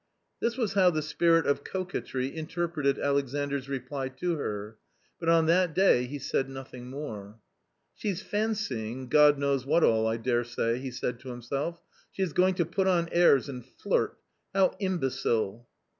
This was how the spirit of coquetry interpreted Alexandras reply to her, but on that day he said nothing more. " She's fancying, God knows what all, I daresay !" he said to himself ;" she is going to put on airs and flirt .... how imbecile